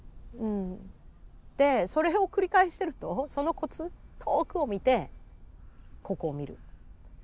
でそれを繰り返してるとそのコツ遠くを見てここを見る。